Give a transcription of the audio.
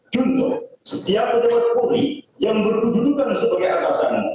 juntuh setiap pejabat polri yang berdudukan sebagai atasan